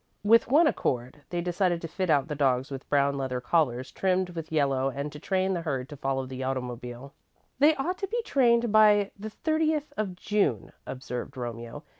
With one accord, they decided to fit out the dogs with brown leather collars trimmed with yellow and to train the herd to follow the automobile. "They ought to be trained by the thirtieth of June," observed Romeo.